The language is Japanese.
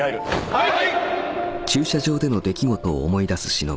はい！